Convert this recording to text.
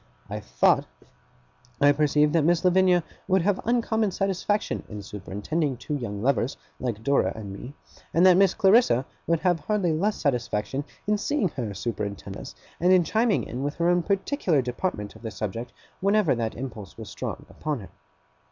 I thought I perceived that Miss Lavinia would have uncommon satisfaction in superintending two young lovers, like Dora and me; and that Miss Clarissa would have hardly less satisfaction in seeing her superintend us, and in chiming in with her own particular department of the subject whenever that impulse was strong upon her.